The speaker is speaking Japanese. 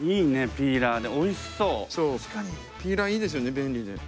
ピーラーいいですよね便利で。